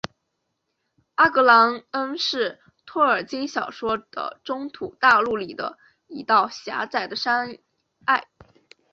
阿格朗恩是托尔金小说的中土大陆里的一道狭窄的山隘。